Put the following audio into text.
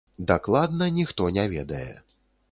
Дакладна ніхто не ведае.